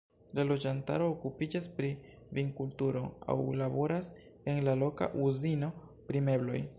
La loĝantaro okupiĝas pri vinkulturo aŭ laboras en la loka uzino pri mebloj.